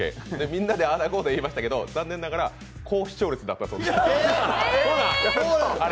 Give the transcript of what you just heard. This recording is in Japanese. みんなであーだこーだ言いましたけど、残念ながら高視聴率だったそうです。